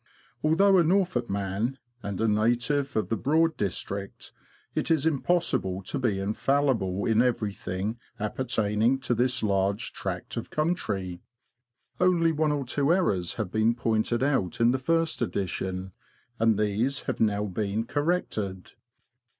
Although a Norfolk man, and a native of the Broad district, it is impossible to be infallible in everything appertaining to this large tract of country. Only one or two errors have been pointed out in the First Edition, and these have now been corrected.